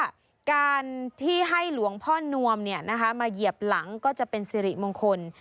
ว่าการที่ให้หลวงพ่อนวมมาเหยียบหลังก็จะเป็นสิริมงคล